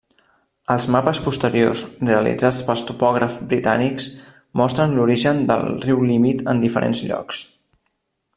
Els mapes posteriors realitzats pels topògrafs britànics mostren l'origen del riu límit en diferents llocs.